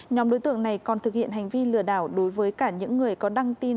nhóm đối tượng này còn thực hiện hành vi lừa đảo đối với cả những người có đăng tin